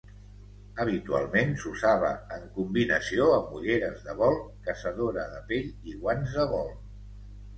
Habitualment s'usava en combinació amb ulleres de vol, caçadora de pell i guants de vol.